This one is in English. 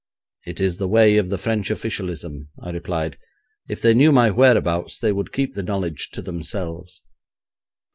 'It is the way of the French officialism,' I replied. 'If they knew my whereabouts they would keep the knowledge to themselves.'